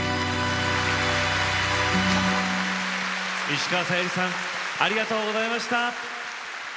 石川さゆりさんありがとうございました。